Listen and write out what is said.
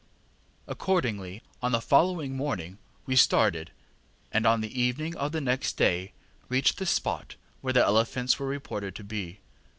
ŌĆ£Accordingly on the following morning we started, and on the evening of the next day reached the spot where the elephants were reported to be.